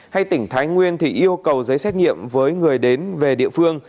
hay tỉnh thái nguyên thì yêu cầu giấy xét nghiệm với người đến về địa phương